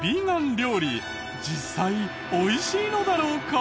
実際美味しいのだろうか？